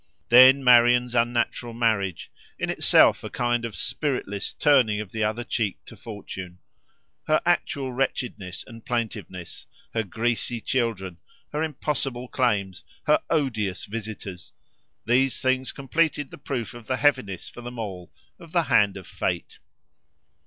Then Marian's unnatural marriage, in itself a kind of spiritless turning of the other cheek to fortune: her actual wretchedness and plaintiveness, her greasy children, her impossible claims, her odious visitors these things completed the proof of the heaviness, for them all, of the hand of fate.